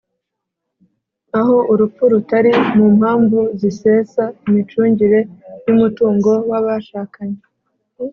aho urupfu rutari mu mpamvu zisesa imicungire y’umutungo w’abashakanye